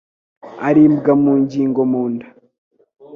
aribwa mu ngingo mu nda